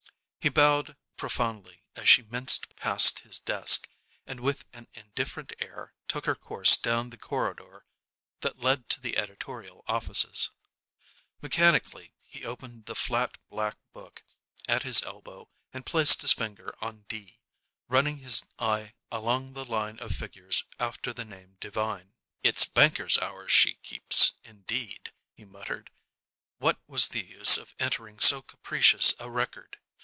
He bowed profoundly as she minced past his desk, and with an indifferent air took her course down the corridor that led to the editorial offices. Mechanically he opened the flat, black book at his elbow and placed his finger on D, running his eye along the line of figures after the name Devine. "It's banker's hours she keeps, indeed," he muttered. What was the use of entering so capricious a record?